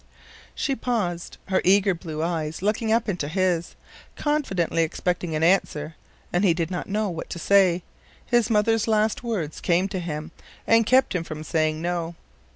She paused, her eager blue eyes looking up into his, confidently expecting an answer, and he did not know what to say. His mother's last words came to him and kept him from saying no.